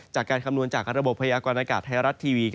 จากการคำนวณจากระบบพระยากวณอากาศไทยรัดทีวี